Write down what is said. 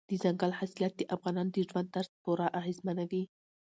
دځنګل حاصلات د افغانانو د ژوند طرز پوره اغېزمنوي.